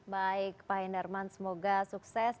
baik pak hendarman semoga sukses